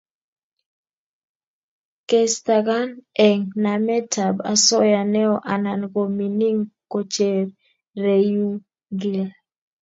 Kestakan eng nametab osoya neo anan ko mining kochereiugil